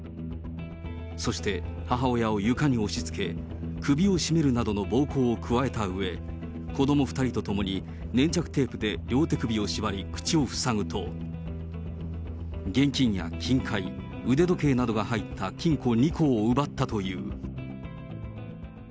そして母親を床に押しつけ、首を絞めるなどの暴行を加えたうえ、子ども２人とともに、粘着テープで両手首を縛り、口を塞ぐと、現金や金塊、腕時計などが入った金庫２個を奪ったという。